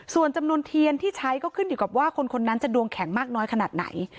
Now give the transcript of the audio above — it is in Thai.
ส่วนจำนวนเทียนที่ใช้ก็ขึ้นอยู่กับว่าคนนั้นจะดวงแข็งมากน้อยขนาดไหน